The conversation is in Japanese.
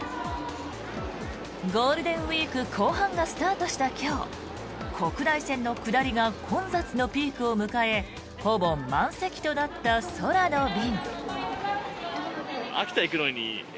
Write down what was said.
ゴールデンウィーク後半がスタートした今日国内線の下りが混雑のピークを迎えほぼ満席となった空の便。